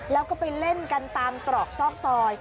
แล้วก็ไปเล่นกันตามตรอกซอกซอย